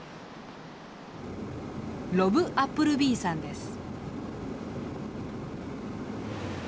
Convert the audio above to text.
ロブ・アップルビーさんです。